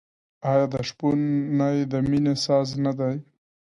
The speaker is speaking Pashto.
آیا د شپون نی د مینې ساز نه دی؟